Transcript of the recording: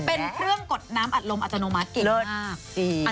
เป็นเครื่องกดน้ำอัดลมอัตโนมัติเลิศมาก